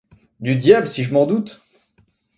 Du diable si je m’en doute !